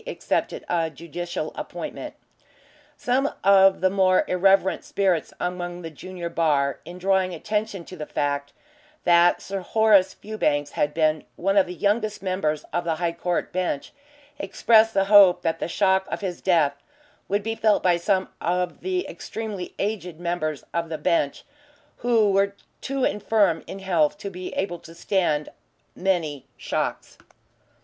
accepted a judicial appointment. Some of the more irreverent spirits among the junior bar, in drawing attention to the fact that Sir Horace Fewbanks had been one of the youngest members of the High Court Bench, expressed the hope that the shock of his death would be felt by some of the extremely aged members of the bench who were too infirm in health to be able to stand many shocks.